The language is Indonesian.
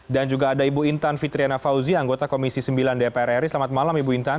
dan juga ada ibu intan fitriana fauzi anggota komisi sembilan dprr selamat malam ibu intan